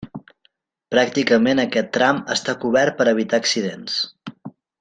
Pràcticament aquest tram està cobert per evitar accidents.